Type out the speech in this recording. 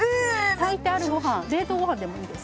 炊いてあるご飯冷凍ご飯でもいいです